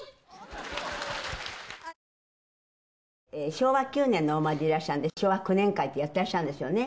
昭和９年のお生まれなので昭和九年会ってやってらっしゃるんですよね。